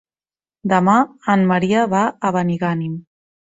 Demà en Maria va a Benigànim.